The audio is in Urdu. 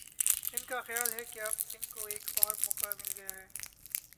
ان کا خیال ہے کہ اب ان کو ایک اور موقع مل گیا ہے۔